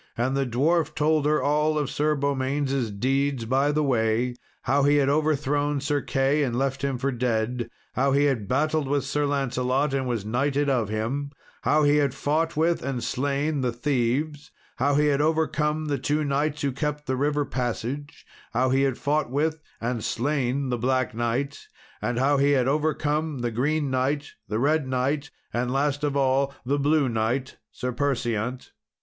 And the dwarf told her of all Sir Beaumains' deeds by the way: how he had overthrown Sir Key, and left him for dead; how he had battled with Sir Lancelot, and was knighted of him; how he had fought with, and slain, the thieves; how he had overcome the two knights who kept the river passage; how he had fought with, and slain, the Black Knight; and how he had overcome the Green Knight, the Red Knight, and last of all, the Blue Knight, Sir Perseant.